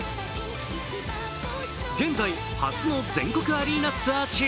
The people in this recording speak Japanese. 現在、初の全国アリーナツアー中。